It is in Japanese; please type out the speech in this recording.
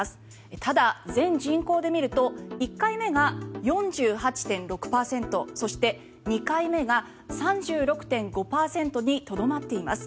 ただ、全人口で見ると１回目が４８．６％そして２回目が３６．５％にとどまっています。